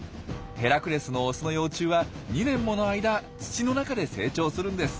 ヘラクレスのオスの幼虫は２年もの間土の中で成長するんです。